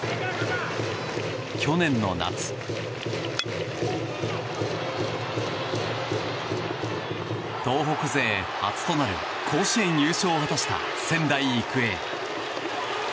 去年の夏、東北勢初となる甲子園優勝を果たした仙台育英。